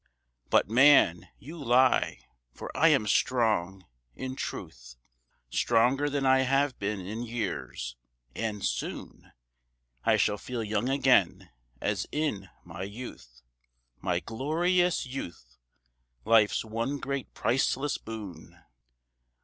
"But, man, you lie! for I am strong in truth Stronger than I have been in years; and soon I shall feel young again as in my youth, My glorious youth life's one great priceless boon.